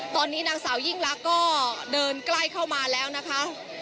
ตอนนี้นางสาวยิ่งลักษณ์ก็เดินใกล้เข้ามาแล้วนะคะ